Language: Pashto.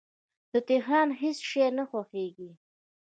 د تهران هیڅ شی نه خوښیږي